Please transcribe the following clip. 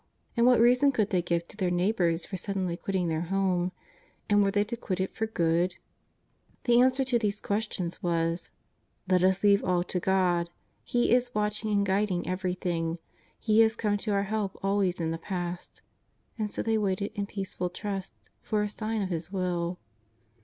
And what reason could they give to their neigh bours for suddenly quitting their home? And were they to quit it for good ? The answer to these questions 61 62 JESUS OF NAZAEETH. was :" Let us leave all to God ; He is watching and guiding everything; He has come to our help always in the past." And so they waited in peaceful t^ ust for a sign of His Will.